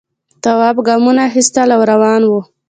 تواب گامونه اخیستل او روان و.